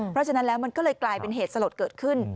เพราะฉะนั้นแล้วมันก็เลยกลายเป็นเหตุสลดเกิดขึ้น